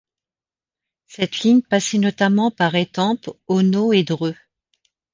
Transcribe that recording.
Cette ligne passait notamment par Étampes, Auneau et Dreux.